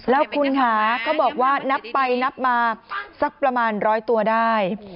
แล้วคุณค่ะเขาบอกว่านับไปนับมาสักประมาณร้อยตัวได้